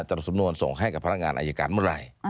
สรุปสำนวนส่งให้กับพนักงานอายการเมื่อไหร่